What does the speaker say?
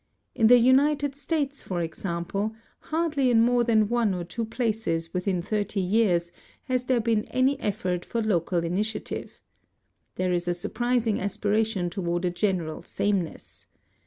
In the United States, for example, hardly in more than one or two places within thirty years has there been any effort for local initiative. There is a surprising aspiration toward a gen eral sameness.